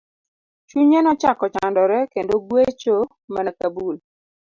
Chunye nochako chandore kendo gwecho mana ka bul.